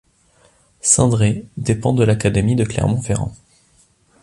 Cindré dépend de l'académie de Clermont-Ferrand.